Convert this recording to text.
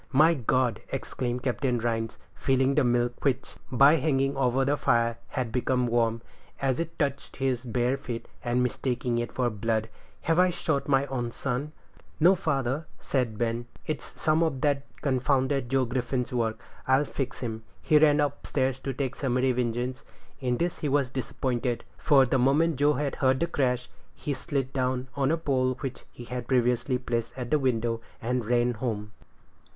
"My God!" exclaimed Captain Rhines, feeling the milk, which, by hanging over the fire, had become warm, as it touched his bare feet, and mistaking it for blood; "have I shot my own son?" "No, father," said Ben; "it's some of that confounded Joe Griffin's work. I'll fix him." He ran up stairs to take summary vengeance. In this he was disappointed, for the moment Joe heard the crash, he slid down on a pole, which he had previously placed at the window, and ran home.